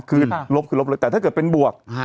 คือลบคือลบเลยแต่ถ้าเกิดเป็นบวก